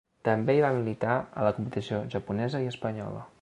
També hi va militar a la competició japonesa i espanyola.